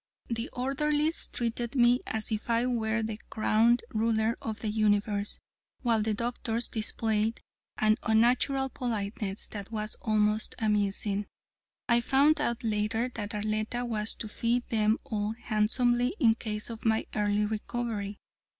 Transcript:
The orderlies treated me as if I were the crowned ruler of the universe, while the doctors displayed an unnatural politeness that was almost amusing. I found out later that Arletta was to fee them all handsomely in case of my early recovery.